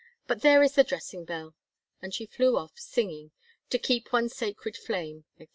"But there is the dressing bell!" And she flew off, singing "To keep one sacred flame," etc.